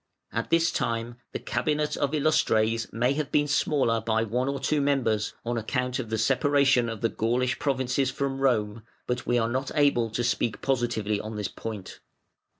At this time the Cabinet of Illustres may have been smaller by one or two members, on account of the separation of the Gaulish provinces from Rome, but we are not able to speak positively on this point.